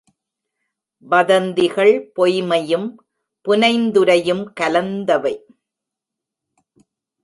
வதந்திகள்.பொய்மையும் புனைந்துரையும் கலந்தவை.